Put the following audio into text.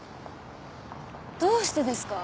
どうしてですか？